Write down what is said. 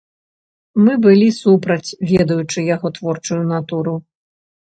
Мы былі супраць, ведаючы яго творчую натуру!